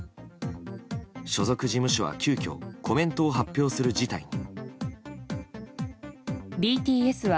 所属事務所は急きょコメントを発表する事態に。